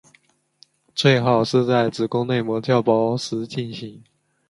最好是在子宫内膜较薄时进行。